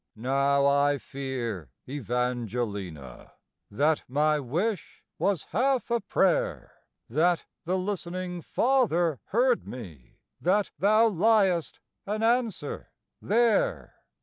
Now I fear, Evangelina, That my wish was half a prayer, That the listening Father heard me, That thou liest, an answer, there.